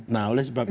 nah oleh sebab itu